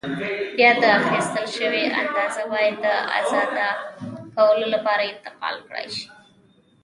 بیا دا اخیستل شوې اندازه باید د اندازه کولو لپاره انتقال کړای شي.